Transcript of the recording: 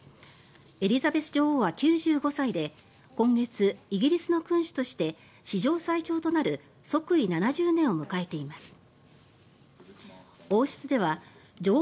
エリザベス女王は９５歳で今月、イギリスの君主として史上最長となる即位７０年を迎えています。